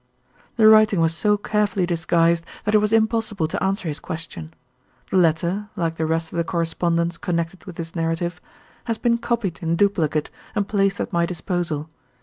The writing was so carefully disguised that it was impossible to answer his question. The letter (like the rest of the correspondence connected with this narrative) has been copied in duplicate and placed at my disposal.